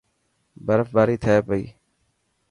برف باري ٿي پئي.